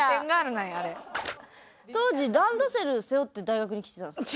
当時ランドセルを背負って大学に来てたんですか？